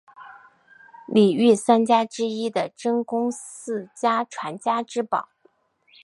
里御三家之一的真宫寺家传家之宝。